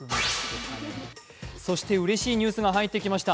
そしてうれしいニュースが入ってきました。